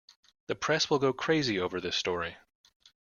The press will go crazy over this story.